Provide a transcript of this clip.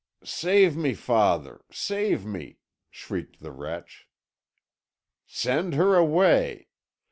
"Save me, father save me!" shrieked the wretch. "Send her away!